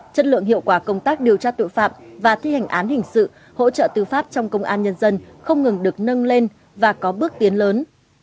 chất lượng hiệu quả công tác điều tra tội phạm và thi hành án hình sự hỗ trợ tư pháp trong công an nhân dân không ngừng được nâng lên và có bước tiến lớn